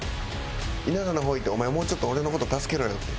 稲田の方行って「お前もうちょっと俺の事助けろよ」って。